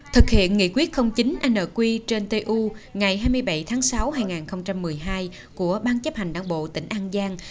thực hiện nghị quyết chín nq trên tu ngày hai mươi bảy tháng sáu hai nghìn một mươi hai của ban chấp hành đảng bộ tỉnh an giang